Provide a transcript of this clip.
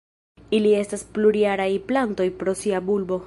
Ili estas plurjaraj plantoj pro sia bulbo.